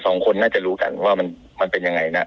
สองคนน่าจะรู้กันว่ามันเป็นยังไงนะ